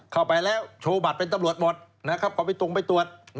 เข้าไปแล้วโชว์บัตรเป็นตำรวจหมดเข้าไปตรงไปตรวจ